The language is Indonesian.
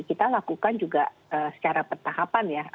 kita lakukan juga secara pertahapan ya